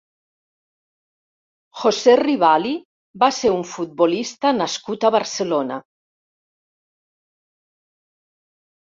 José Rivali va ser un futbolista nascut a Barcelona.